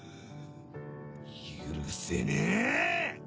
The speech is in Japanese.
許せねえ！